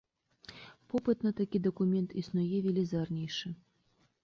Попыт на такі дакумент існуе велізарнейшы.